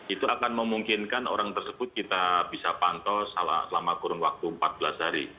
itu akan memungkinkan orang tersebut kita bisa pantau selama kurun waktu empat belas hari